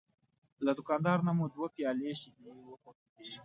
له دوکاندار نه مو دوه پیالې شیدې وغوښتې.